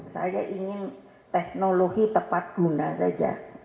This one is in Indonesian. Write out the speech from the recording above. saya ingin teknologi tepat guna saja